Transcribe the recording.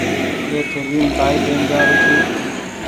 اي ٿليم ڪآئي لين جآرو ڇي۔